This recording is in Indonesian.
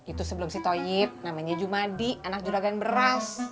itu sebelum si toyib namanya jumadi enak juragan beras